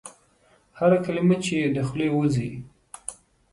هره کلمه چي یې د خولې وزي ؟